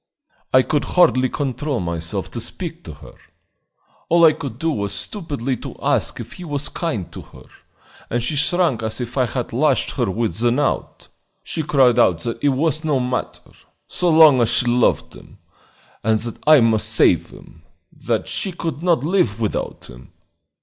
I could hardly control myself to speak to her. All I could do was stupidly to ask if he was kind to her, and she shrank as if I had lashed her with the knout. She cried out that it was no matter, so long as she loved him, and that I must save him: that she could not live without him.